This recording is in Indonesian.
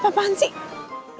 itu apaan sih